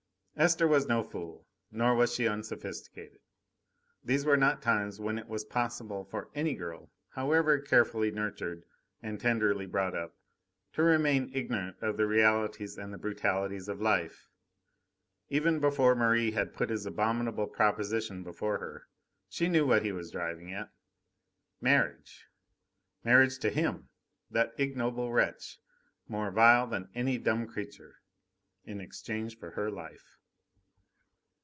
Esther was no fool, nor was she unsophisticated. These were not times when it was possible for any girl, however carefully nurtured and tenderly brought up, to remain ignorant of the realities and the brutalities of life. Even before Merri had put his abominable proposition before her, she knew what he was driving at. Marriage marriage to him! that ignoble wretch, more vile than any dumb creature! In exchange for her life!